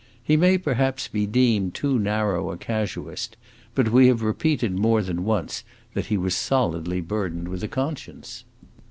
He may perhaps be deemed too narrow a casuist, but we have repeated more than once that he was solidly burdened with a conscience.